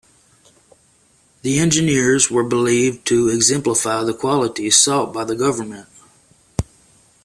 The Engineers were believed to exemplify the qualities sought by the Government.